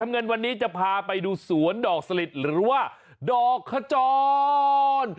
เงินวันนี้จะพาไปดูสวนดอกสลิดหรือว่าดอกขจร